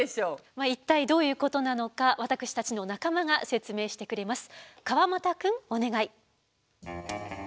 まあ一体どういうことなのか私たちの仲間が説明してくれます。